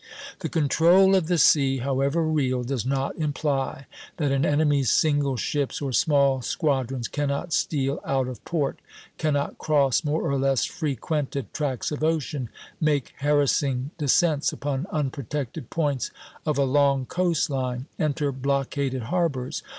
The control of the sea, however real, does not imply that an enemy's single ships or small squadrons cannot steal out of port, cannot cross more or less frequented tracts of ocean, make harassing descents upon unprotected points of a long coast line, enter blockaded harbors.